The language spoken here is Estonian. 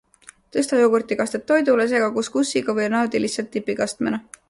Tõsta jogurtikastet toidule, sega kuskussiga või naudi lihtsalt dipikastmena.